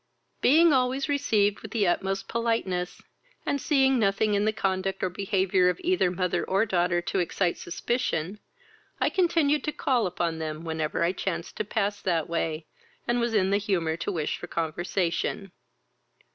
Being always received with the utmost politeness, and seeing nothing in the conduct or behaviour of either mother or daughter to excite suspicion, I continued to call upon them whenever I chanced to pass that way, and was in the humour to wish for conversation.